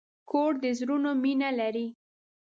کور د زړونو مینه لري.